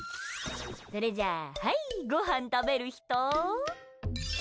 それじゃあはい、ごはん食べる人？